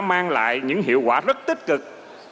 mang lại những hiệu quả rất tích cực